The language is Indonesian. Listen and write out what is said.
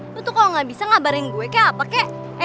lu tuh kalo ga bisa ngabarin gue kek apa kek